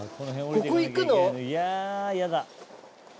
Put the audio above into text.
ここ行く？